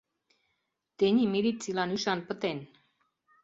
Тений милицийлан ӱшан пытен.